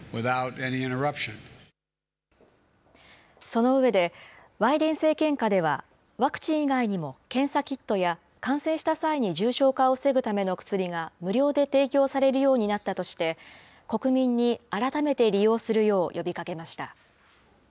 その上で、バイデン政権下では、ワクチン以外にも、検査キットや感染した際に重症化を防ぐための薬が無料で提供されるようになったとして、国民に改めて利用するよう呼びかけました。